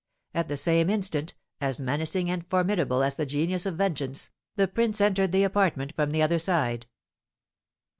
At the same instant, as menacing and formidable as the genius of vengeance, the prince entered the apartment from the other side.